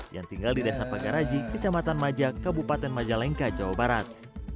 yang tinggal di desa pagaraji kecamatan majak kabupaten majalengka jawa barat